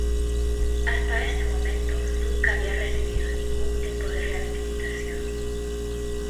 Hasta ese momento nunca había recibido ningún tipo de rehabilitación.